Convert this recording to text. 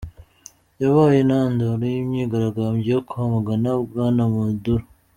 Yabaye intandaro y'imyigaragambyo yo kwamagana Bwana Maduro.